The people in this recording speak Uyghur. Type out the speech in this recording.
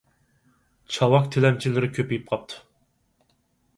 چاۋاك تىلەمچىلىرى كۆپىيىپ قاپتۇ.